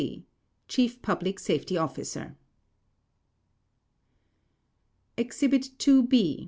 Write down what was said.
C. Chief Public Safety Officer Exhibit II B.